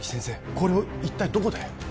これを一体どこで？